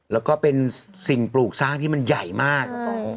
แล้วก็เป็นสิ่งปลูกสร้างที่มันใหญ่มาก